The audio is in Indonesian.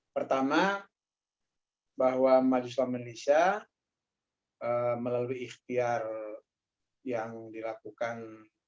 pertama bahwa maju islam malaysia melalui ikhtiar yang dilakukan